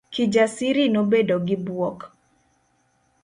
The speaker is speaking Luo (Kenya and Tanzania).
Kijasiri nobedo gi buok.